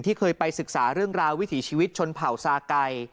เคยไปศึกษาเรื่องราววิถีชีวิตชนเผ่าซาไก่